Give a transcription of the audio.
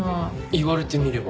言われてみれば。